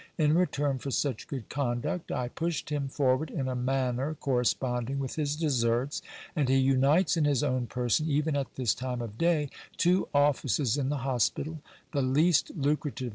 In return for such good conduct I pushed him forward in a manner corresponding with his deserts; and he unites in his own per ;on, even at this time of day, two offices in the hospital, the least lucrative 338 GIL BLAS.